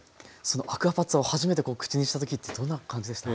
そのアクアパッツァを初めて口にした時ってどんな感じでした？